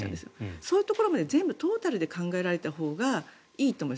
そういうところまで全部トータルで考えられたほうがいいと思います。